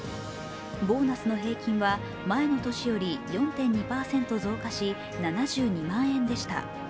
ボーナスの平均は前の年より４．２％増加し７２万円でした。